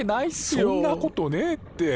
そんなことねえって。